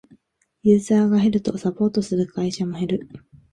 ユーザーが減るとサポートする会社も減る